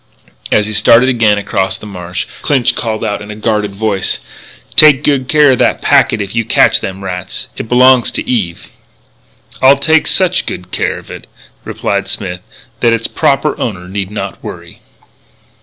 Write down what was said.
As he started again across the marsh, Clinch called out in a guarded voice: "Take good care of that packet if you catch them rats. It belongs to Eve." "I'll take such good care of it," replied Smith, "that its proper owner need not worry."